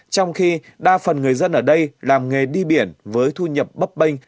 trong khi đa phần người dân ở đây làm nghề đi biển với thu nhập bấp bênh